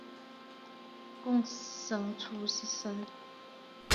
贡生出身。